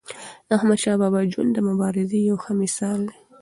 د احمدشاه بابا ژوند د مبارزې یو ښه مثال دی.